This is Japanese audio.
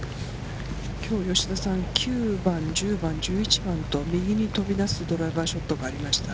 今日、吉田さん、９番、１０番、１１番と右に飛び出すドライバーショットがありました。